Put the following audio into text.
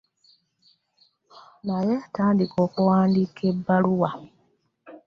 Tandika okuwandiika ebbaluwa.